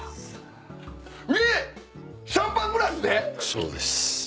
そうです。